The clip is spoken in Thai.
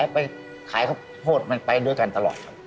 ไปท้ายเขาโทษมันไปด้วยกันตลอดครับ